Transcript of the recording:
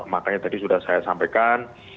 makanya tadi sudah saya sampaikan